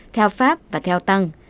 theo pháp và theo tăng